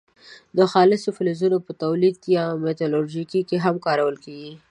د خالصو فلزونو په تولید یا متالورجي کې هم کارول کیږي.